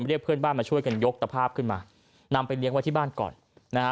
เรียกเพื่อนบ้านมาช่วยกันยกตะภาพขึ้นมานำไปเลี้ยงไว้ที่บ้านก่อนนะฮะ